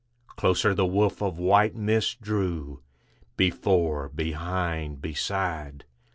Closer the woof of white mist drew, Before, behind, beside.